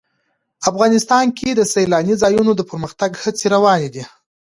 افغانستان کې د سیلاني ځایونو د پرمختګ هڅې روانې دي.